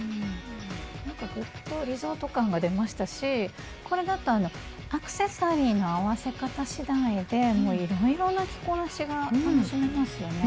なんかグッとリゾート感が出ましたしこれだとアクセサリーの合わせ方しだいでいろいろな着こなしが楽しめますよね。